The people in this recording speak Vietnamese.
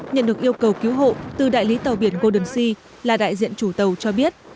nhận được yêu cầu cứu hộ từ đại lý tàu biển golden sea là đại diện chủ tàu cho biết